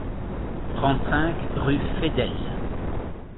trente-cinq rue Feydel